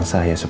saya harus siap